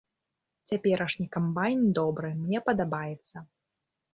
Цяперашні камбайн добры, мне падабаецца.